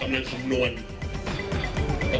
อันดับสุดท้าย